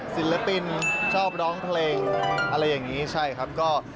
ศิลปินชอบร้องเพลงอะไรอย่างนี้ใช่ครับก็